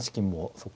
そっか。